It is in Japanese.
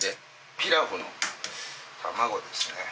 ピラフの卵ですね。